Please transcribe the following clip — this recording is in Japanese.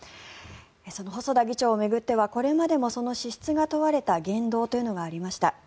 その細田議長を巡ってはこれまでもその資質が問われた言動というのがありました。